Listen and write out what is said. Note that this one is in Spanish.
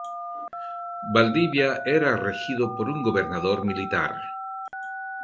Valdivia era regido por un Gobernador militar.